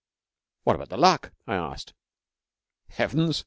'What about the Luck?' I asked. 'Heavens!'